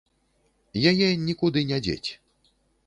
Яе нікуды не дзець.